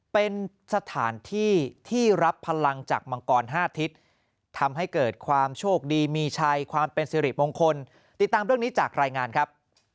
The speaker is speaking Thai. เป็นสถานที่ที่รับพลังจากมังกร๕ทิศทำให้เกิดความโชคดีมีชัยความเป็นสิริมงคลติดตามเรื่องนี้จากรายงานครับ